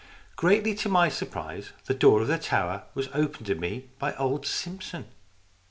Greatly to my surprise the door of the tower was opened to me by old Simpson.